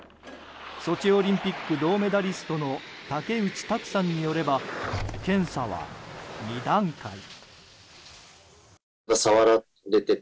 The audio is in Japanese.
ソチオリンピック銅メダリストの竹内択さんによれば検査は２段階。